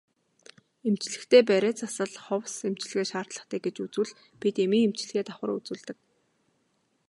Эмчлэхдээ бариа засал ховс эмчилгээ шаардлагатай гэж үзвэл бид эмийн эмчилгээ давхар үзүүлдэг.